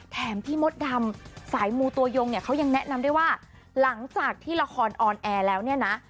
พี่มดดำสายมูตัวยงเนี่ยเขายังแนะนำด้วยว่าหลังจากที่ละครออนแอร์แล้วเนี่ยนะ